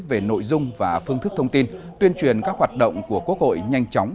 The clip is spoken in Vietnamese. về nội dung và phương thức thông tin tuyên truyền các hoạt động của quốc hội nhanh chóng